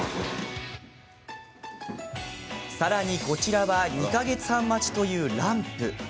さらに、こちらは２か月半待ちというランプ。